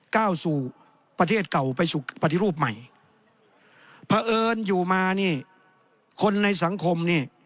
ก้าวสู่ประเทศเก่าไปสู่ปฏิรูปใหม่เพราะเอิญอยู่มานี่คนในสังคมนี่